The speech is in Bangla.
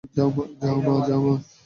যাও, মা।